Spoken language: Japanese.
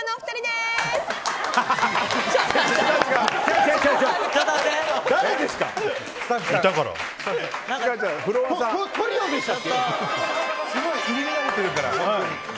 すごい入り乱れてるから。